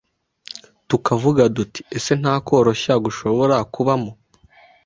Tukavuga duti ese nta koroshya gushobora kubamo